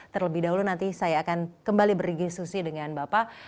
terlebih dahulu nanti saya akan kembali berdiskusi dengan bapak